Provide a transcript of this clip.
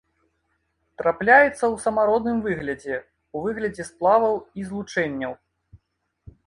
Трапляецца ў самародным выглядзе, у выглядзе сплаваў і злучэнняў.